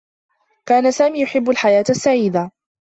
كان سامي يحبّ الحياة السّعيدة.